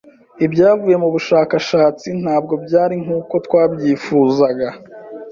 Ibyavuye mu bushakashatsi ntabwo byari nkuko twabyifuzaga.